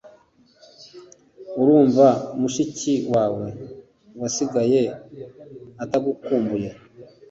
urumva mushiki wawe wasigaye atagukumbuye!